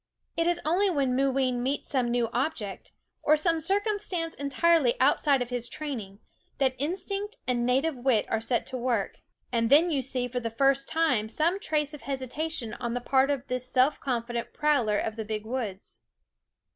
It is only when Mooween meets some new object, or some circumstance entirely outside of his training, that instinct and native wit are set to work; and then you see for the first time some trace of hesitation on the part of this self confident prowler of the big woods.